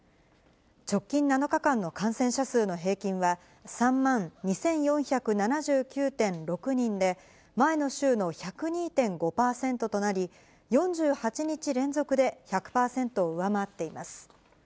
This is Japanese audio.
直近７日間の感染者数の平均は、３万２４７９．６人で、前の週の１０２．５％となり、４８日連続で１００％を上回っています。